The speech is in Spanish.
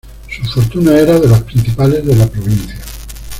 Su fortuna era de las principales de la provincia.